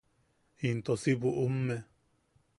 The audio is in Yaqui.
Into si bu’ume.